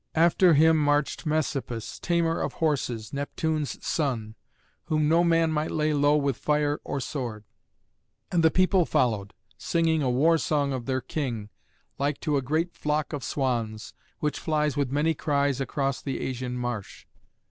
After him marched Messapus, tamer of horses, Neptune's son, whom no man might lay low with fire or sword; and the people followed, singing a war song of their king, like to a great flock of swans, which flies with many cries across the Asian marsh.